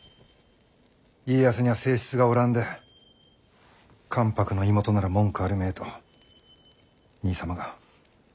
家康にゃ正室がおらんで関白の妹なら文句あるめえと兄様が。